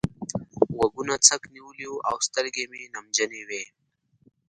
غوږونه څک نيولي وو او سترګې مې نمجنې وې.